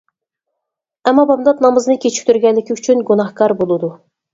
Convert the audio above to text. ئەمما بامدات نامىزىنى كېچىكتۈرگەنلىكى ئۈچۈن گۇناھكار بولىدۇ.